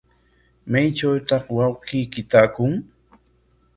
¿Maytrawtaq wawqiyki taakun?